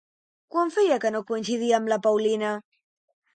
Quan feia que no coincidia amb la Paulina?